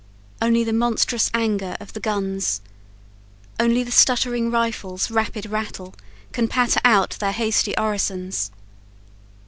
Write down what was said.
Only the monstrous anger of the guns. Only the stuttering rifles' rapid rattle Can patter out their hasty orisons.